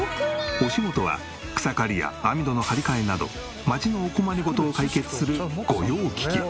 お仕事は草刈りや網戸の張り替えなど街のお困り事を解決する御用聞き。